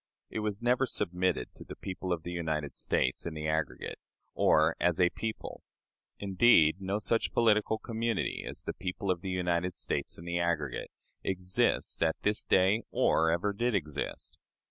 It was never submitted to "the people of the United States in the aggregate," or as a people. Indeed, no such political community as the people of the United States in the aggregate exists at this day or ever did exist.